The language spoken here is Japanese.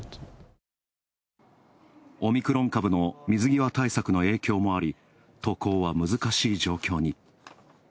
オミクロン株の水際対策の影響もあり渡航は難しい状況に。